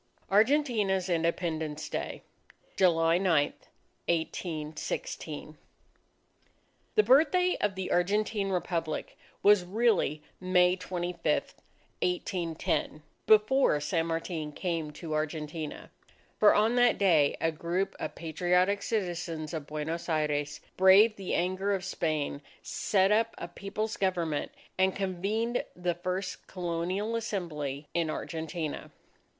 ARGENTINA'S INDEPENDENCE DAY July 9, 1816 The Birthday of the Argentine Republic was really May 25, 1810, before San Martin came to Argentina. For on that day a group of patriotic citizens of Buenos Aires braved the anger of Spain, set up a People's Government, and convened the first Colonial Assembly in Argentina.